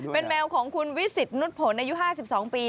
เป็นแมวของคุณวิสิตนุษย์ผลอายุ๕๒ปี